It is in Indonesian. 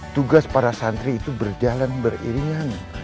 tugas para santri itu berjalan beriringan